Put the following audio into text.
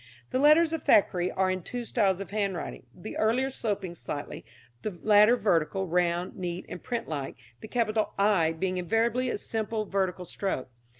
The letters of Thackeray are in two styles of handwriting, the earlier sloping slightly, the latter vertical, round, neat and print like, the capital I being invariably a simple vertical stroke.